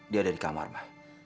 dia ada di kamar mah